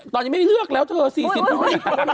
ตอนนี้ไม่ได้เลือกแล้วเธอ๔๐นิดกว่า